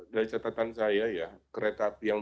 dari catatan saya ya kereta api yang